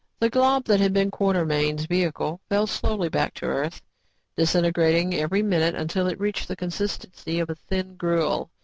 The glob that had been Quartermain's vehicle fell slowly back to Earth, disintegrating every minute until it reached the consistency of thin gruel.